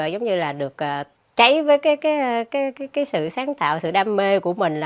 giống như là được cháy với cái sự sáng tạo sự đam mê của mình